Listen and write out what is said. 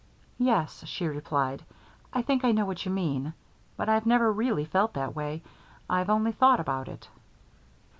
"Yes," she replied. "I think I know what you mean. But I never really felt that way; I've only thought about it."